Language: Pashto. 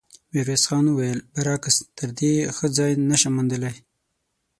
ميرويس خان وويل: برعکس، تر دې ښه ځای نه شم موندلی.